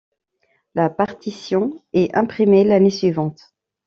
La partition est imprimée l'année suivante.